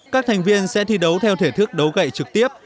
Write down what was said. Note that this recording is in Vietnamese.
các thành viên sẽ thi đấu theo thể thức đấu gậy trực tiếp